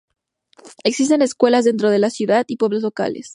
Existen escuelas dentro de la ciudad y pueblos locales.